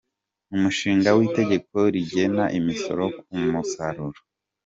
Umushinga w’Itegeko rigena imisoro ku musaruro.